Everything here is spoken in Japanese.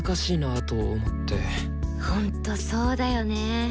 ほんとそうだよね。